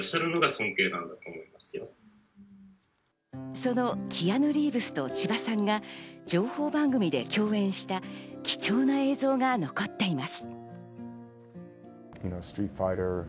そのキアヌ・リーブスと千葉さんが情報番組で共演した貴重な映像が残っています。